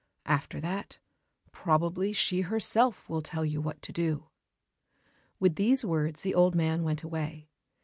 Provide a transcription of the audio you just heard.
After that, probably she herself will tell you what to do." With these words the old man went away.